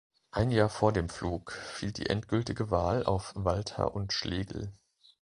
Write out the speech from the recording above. Ein Jahr vor dem Flug fiel die endgültige Wahl auf Walter und Schlegel.